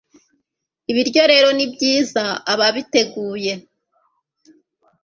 ibyo rero ni byiza ababiteguye